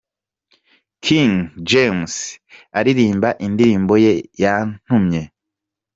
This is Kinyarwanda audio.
King James aririmba indirimbo ye 'Yantumye'.